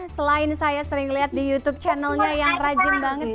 selain saya sering lihat di youtube channelnya yang rajin banget